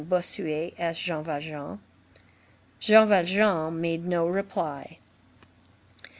Bossuet asked Jean Valjean. Jean Valjean made no reply.